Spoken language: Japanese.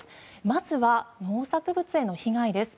まずは農作物への被害です。